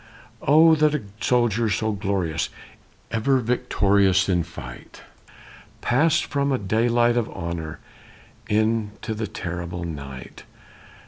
Oh, that a soldier so glorious, ever victorious in fight, Passed from a daylight of honor into the terrible night!